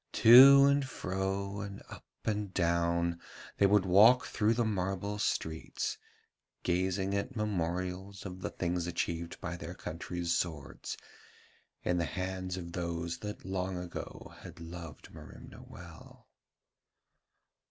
To and fro and up and down they would walk through the marble streets, gazing at memorials of the things achieved by their country's swords in the hands of those that long ago had loved Merimna well.